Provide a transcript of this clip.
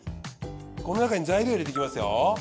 この中に材料入れていきますよ。